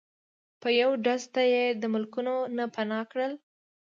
په یو ډز ته یی د ملکونو نه پناه کړل